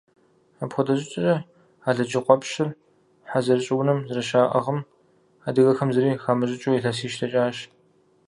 Апхуэдэ щӏыкӏэкӏэ, Алыджыкъуэпщыр хъэзэр щӏыунэм зэрыщаӏыгъым адыгэхэм зыри хамыщӏыкӏыу илъэсищ дэкӏащ.